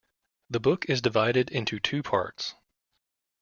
The book is divided into two parts.